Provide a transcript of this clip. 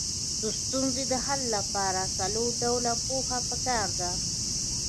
د ستونزې د حل لپاره څلور ډوله پوهه پکار ده.